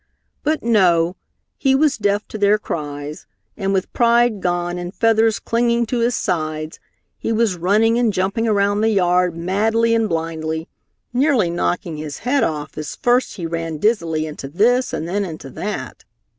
But no; he was deaf to their cries, and with pride gone and feathers clinging to his sides, he was running and jumping around the yard madly and blindly, nearly knocking his head off as first he ran dizzily into this and then into that.